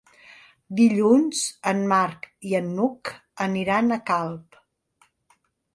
Dilluns en Marc i n'Hug aniran a Calp.